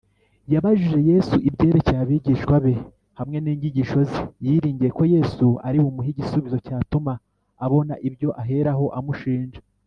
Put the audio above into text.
yabajije yesu ibyerekeye abigishwa be hamwe n’inyigisho ze, yiringiye ko yesu ari bumuhe igisubizo cyatuma abona ibyo aheraho amushinja